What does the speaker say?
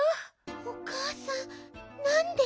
おかあさんなんで。